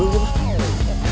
ya mau dibuang